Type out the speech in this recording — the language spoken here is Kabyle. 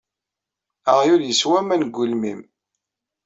Aɣyul ueswa aman deg ugelmim.